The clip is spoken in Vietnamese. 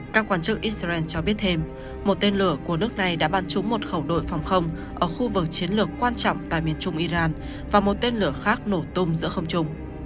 các quan chức israel cho biết thêm một tên lửa của nước này đã bắn trúng một khẩu đội phòng không ở khu vực chiến lược quan trọng tại miền trung iran và một tên lửa khác nổ tung giữa không trung